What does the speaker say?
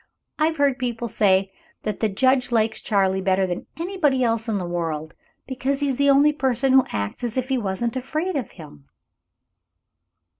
I've heard people say that the judge likes Charley better than anybody else in the world, because he's the only person who acts as if he wasn't afraid of him."